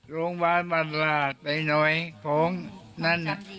โรงพยาบาลบัตรหลาดไปหน่อยของนั่น